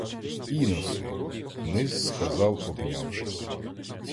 "Іноси!" — Низ сказав, обнявшись